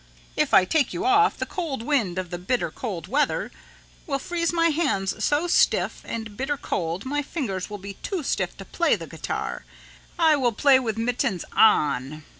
If I take you off the cold wind of the bitter cold weather will freeze my hands so stiff and bitter cold my fingers will be too stiff to play the guitar. _I will play with mittens on.